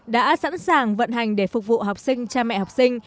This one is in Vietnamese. đã sẵn sàng vận hành để phục vụ học sinh cha mẹ học sinh